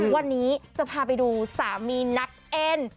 วันนี้จะพาไปดูสามีนักเอ็น